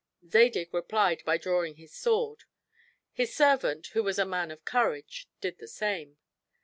Zadig replied by drawing his sword; his servant, who was a man of courage, did the same.